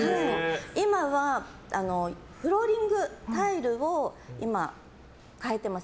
今はフローリングタイルを変えてます、